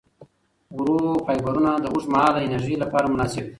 ورو فایبرونه د اوږدمهاله انرژۍ لپاره مناسب دي.